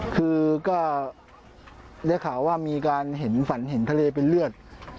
คือก็ได้ข่าวว่ามีการเห็นฝันเห็นทะเลเป็นเลือด